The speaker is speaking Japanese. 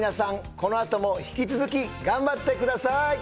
このあとも引き続き頑張ってください